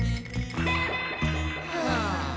はあ。